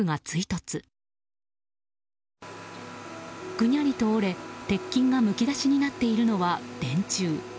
ぐにゃりと折れ鉄筋がむき出しになっているのは電柱。